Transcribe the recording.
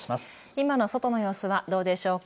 今の外の様子はどうでしょうか。